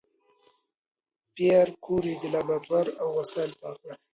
پېیر کوري د لابراتوار وسایل پاک کړل.